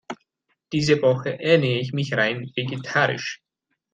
Diese Woche ernähre ich mich rein vegetarisch.